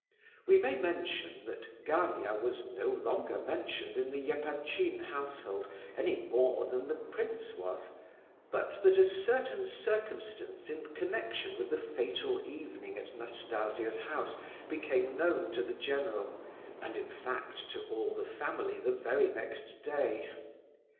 We may mention that Gania was no longer mentioned in the Epanchin household any more than the prince was; but that a certain circumstance in connection with the fatal evening at Nastasia's house became known to the general, and, in fact, to all the family the very next day.